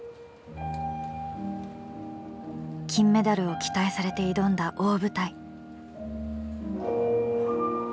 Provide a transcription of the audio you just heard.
金メダルを期待されて挑んだ大舞台。